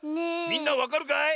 みんなわかるかい？